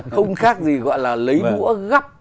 không khác gì gọi là lấy mũa gắp